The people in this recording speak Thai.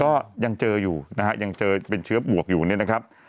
ก็ยังเจออยู่ยังเจอเป็นเชื้อบวกอยู่นะครับ